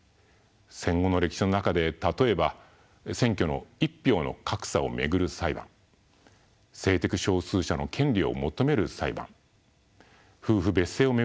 戦後の歴史の中で例えば選挙の一票の格差を巡る裁判性的少数者の権利を求める裁判夫婦別姓を巡る